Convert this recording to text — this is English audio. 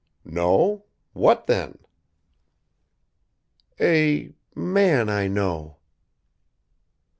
"No? What, then?" "A man I know?"